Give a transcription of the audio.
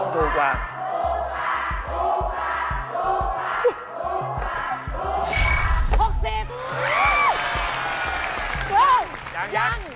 ถูกกว่า